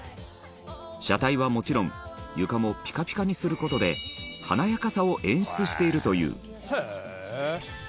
車体はもちろん床もピカピカにする事で華やかさを演出しているという石原：へえー！